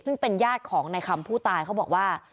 ซึ่งเป็นญาติของในคำผู้ตายเขาบอกว่า